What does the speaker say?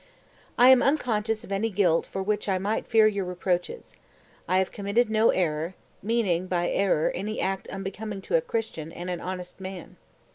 234. "I am unconscious of any guilt for which I might fear your reproaches. I have committed no error (meaning by error any act unbecoming to a Christian and an honest man).